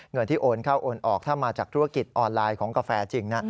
เงินที่โอนเข้าโอนออกถ้ามาจากธุรกิจออนไลน์ของกาแฟจริงนะ